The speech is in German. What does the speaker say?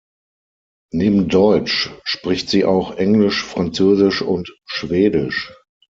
Neben Deutsch spricht sie auch Englisch, Französisch und Schwedisch.